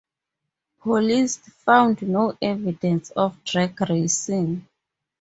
Police found no evidence of drag racing.